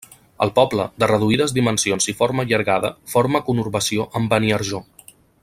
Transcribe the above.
El poble, de reduïdes dimensions i forma allargada, forma conurbació amb Beniarjó.